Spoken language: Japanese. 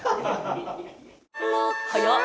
早っ！